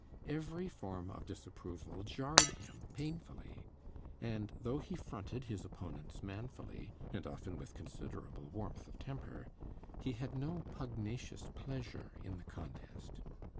Every form of disapproval jarred him painfully; and, though he fronted his opponents manfully, and often with considerable warmth of temper, he had no pugnacious pleasure in the contest.